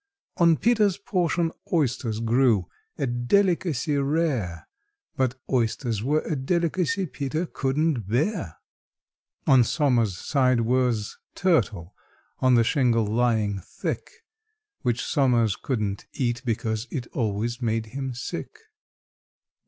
On PETER'S portion oysters grew—a delicacy rare, But oysters were a delicacy PETER couldn't bear. On SOMERS' side was turtle, on the shingle lying thick, Which SOMERS couldn't eat, because it always made him sick.